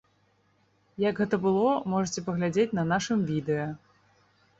Як гэта было, можаце паглядзець на нашым відэа.